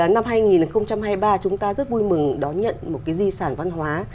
năm hai nghìn hai mươi ba chúng ta rất vui mừng đón nhận một cái di sản văn hóa